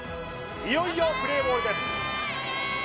いよいよプレーボールです